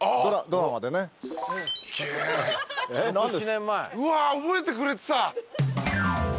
うわぁ覚えてくれてた。